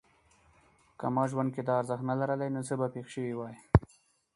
که ما ژوند کې دا ارزښت نه لرلای نو څه به پېښ شوي وای؟